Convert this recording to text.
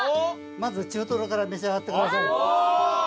まず中とろから召し上がってください。